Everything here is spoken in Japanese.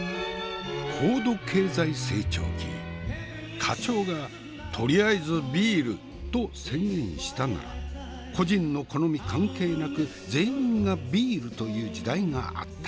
高度経済成長期課長が「とりあえずビール！」と宣言したなら個人の好み関係なく全員がビールという時代があった。